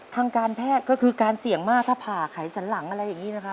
ทางการแพทย์ก็คือการเสี่ยงมากถ้าผ่าไขสันหลังอะไรอย่างนี้นะครับ